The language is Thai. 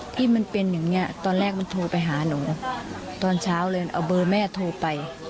ที่มันเป็นอย่างนี้ตอนแรกมันโทรไปหาหนูตอนเช้าเลยเอาเบอร์แม่โทรไป